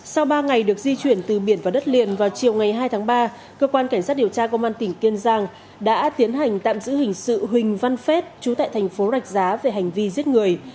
sau ba ngày được di chuyển từ biển vào đất liền vào chiều ngày hai tháng ba cơ quan cảnh sát điều tra công an tỉnh kiên giang đã tiến hành tạm giữ hình sự huỳnh văn phép chú tại thành phố rạch giá về hành vi giết người